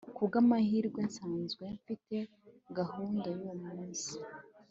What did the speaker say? Kubwamahirwe nsanzwe mfite gahunda yuwo munsi